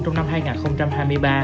trong năm hai nghìn hai mươi ba